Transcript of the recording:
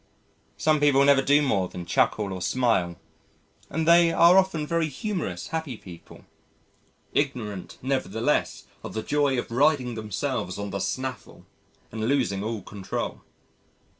Some people never do more than chuckle or smile and they are often very humorous happy people, ignorant nevertheless of the joy of riding themselves on the snaffle and losing all control.